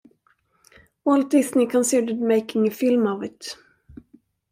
Walt Disney considered making a film of it.